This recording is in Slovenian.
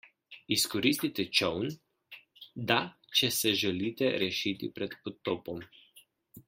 Izkoristite čoln, da če se želite rešiti pred potopom.